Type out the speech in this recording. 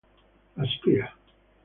La spia